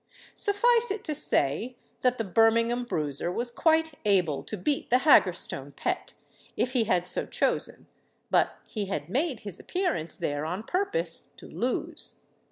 Suffice it to say, that the Birmingham Bruiser was quite able to beat the Haggerstone Pet, if he had so chosen: but he had made his appearance there on purpose to lose.